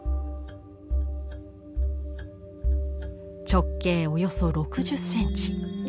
直径およそ６０センチ。